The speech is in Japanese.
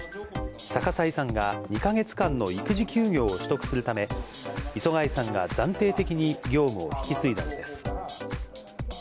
逆井さんが２か月間の育児休業を取得するため、磯貝さんが暫定的に業務を引き継いだのです。